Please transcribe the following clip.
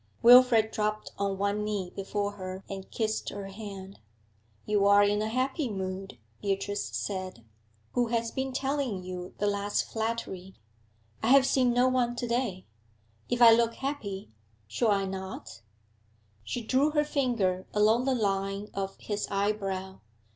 Wilfrid dropped on one knee before her and kissed her hand. 'You are in a happy mood,' Beatrice said. 'Who has been telling you the last flattery?' 'I have seen no one to day. If I look happy should I not?' She drew her finger along the line of his eyebrow.